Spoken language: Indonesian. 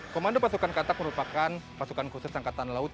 komando pasukan katak merupakan pasukan khusus angkatan laut